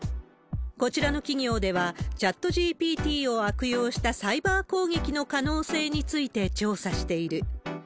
こちらの企業では、チャットＧＰＴを悪用したサイバー攻撃の可能性について調査している。